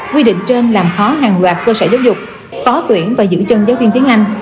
quy định trên làm khó hàng loạt cơ sở giáo dục phó tuyển và giữ chân giáo viên tiếng anh